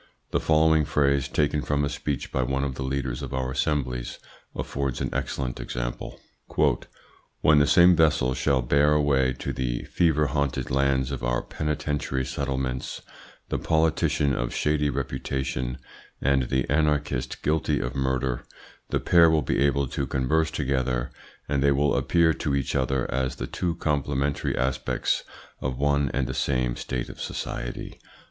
The following phrase, taken from a speech by one of the leaders of our assemblies, affords an excellent example: "When the same vessel shall bear away to the fever haunted lands of our penitentiary settlements the politician of shady reputation and the anarchist guilty of murder, the pair will be able to converse together, and they will appear to each other as the two complementary aspects of one and the same state of society."